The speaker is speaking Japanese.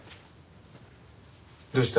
どうした？